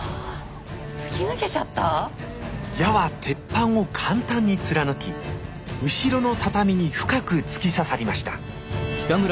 突き抜けちゃった⁉矢は鉄板を簡単に貫き後ろの畳に深く突き刺さりましたああ